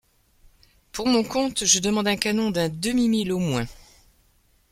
Pour mon compte, je demande un canon d’un demi-mille au moins !